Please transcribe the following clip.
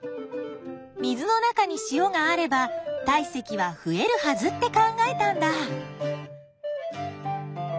水の中に塩があれば体積は増えるはずって考えたんだ。